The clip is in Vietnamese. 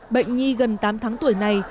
bệnh nhi gần tám tháng tuổi này